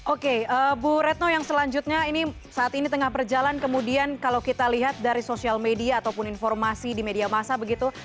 oke bu retno yang selanjutnya ini saat ini tengah berjalan kemudian kalau kita lihat dari sosial media ataupun informasi di media masa begitu